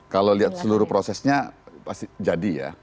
kalau lihat seluruh prosesnya pasti jadi ya